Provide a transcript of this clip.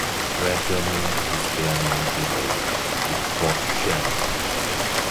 Gradually, his air name evolved to "Bob Shannon".